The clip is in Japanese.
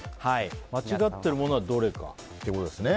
間違ってるのはどれかということですね。